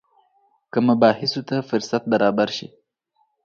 که مباحثو ته فرصت برابر شي.